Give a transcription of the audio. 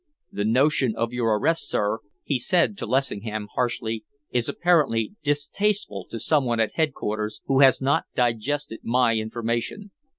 "The notion of your arrest, sir," he said to Lessingham harshly, "is apparently distasteful to some one at headquarters who has not digested my information.